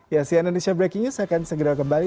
ya sian indonesia breaking news akan segera kembali